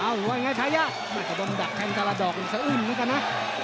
เอ้าวันไงทายามันกระด่มดักแข่งกล้าดอกอีกสักอื่นเหมือนกันน่ะ